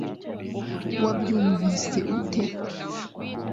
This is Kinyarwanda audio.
wabyumvise ute